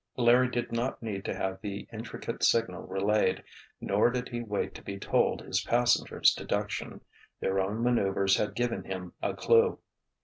Larry did not need to have the intricate signal relayed, nor did he wait to be told his passengers' deduction. Their own maneuvers had given him a clue.